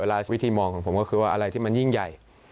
วิธีมองของผมก็คือว่าอะไรที่มันยิ่งใหญ่